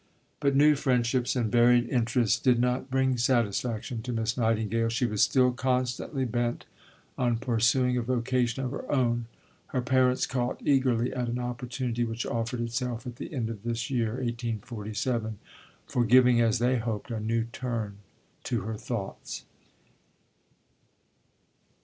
But new friendships and varied interests did not bring satisfaction to Miss Nightingale. She was still constantly bent on pursuing a vocation of her own. Her parents caught eagerly at an opportunity which offered itself at the end of this year (1847), for giving, as they hoped, a new turn to her thoughts.